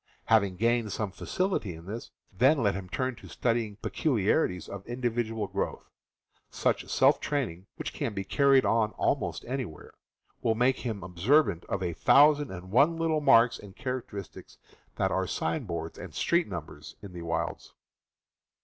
Having gained some facility in this, then let him turn to studying peculiarities of individual growth. Such self training, which can be carried out almost anywhere, will make him observant of a thousand and one little marks and characteristics that are sign boards and street numbers in the wilds.